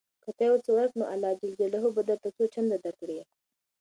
که ته یو څه ورکړې نو الله به درته څو چنده درکړي.